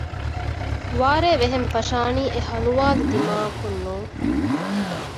ވާރޭ ވެހެން ފަށާނީ އެހަލުވާލި ދިމާއަކުން ނޫން